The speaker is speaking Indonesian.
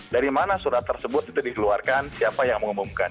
dari mana surat tersebut itu dikeluarkan siapa yang mengumumkan